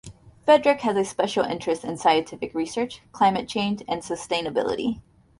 Frederik has a special interest in scientific research, climate change and sustainability.